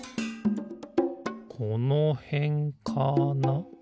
このへんかな？